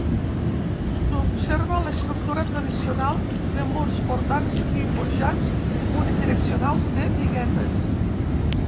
S'observa l'estructura tradicional de murs portants i forjats unidireccionals de biguetes.